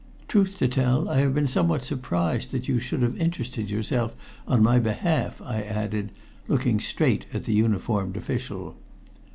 Truth to tell, I have been somewhat surprised that you should have interested yourself on my behalf," I added, looking straight at the uniformed official.